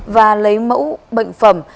và lấy mẫu bệnh phẩm